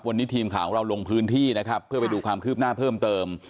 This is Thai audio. วันนี้ทีมข่าวของเราลงพื้นที่นะครับเพื่อไปดูความคืบหน้าเพิ่มเติม